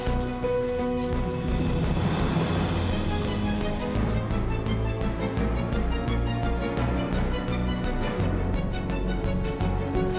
non ustadz perlu uang non